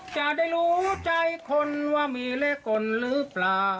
จะได้รู้ใจคนว่ามีเลขกลหรือเปล่า